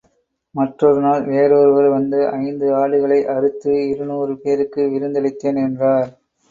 மற்றொரு நாள், வேறொருவர் வந்து ஐந்து ஆடுகளை அறுத்து இருநூறு பேருக்கு விருந்தளித்தேன் என்றார்.